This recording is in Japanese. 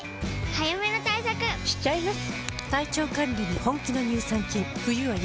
早めの対策しちゃいます。